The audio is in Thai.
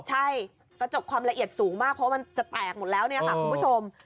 ใช่กระจกความละเอียดสูงมากเพราะมันจะแตกหมดแล้วเนี่ยค่ะคุณผู้ชม